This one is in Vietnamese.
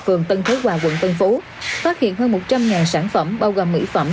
phường tân thới hòa quận tân phú phát hiện hơn một trăm linh sản phẩm bao gồm mỹ phẩm